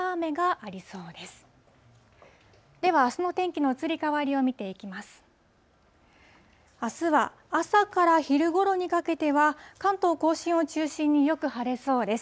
あすは朝から昼ごろにかけては、関東甲信を中心によく晴れそうです。